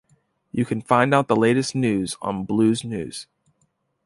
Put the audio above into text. You can find out the latest news on "Blues News".